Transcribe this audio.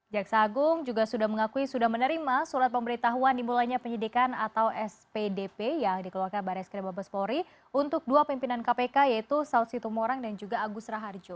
jaksa agung juga sudah mengakui sudah menerima surat pemberitahuan dimulainya penyidikan atau spdp yang dikeluarkan baris krim abespori untuk dua pimpinan kpk yaitu saud situmorang dan juga agus raharjo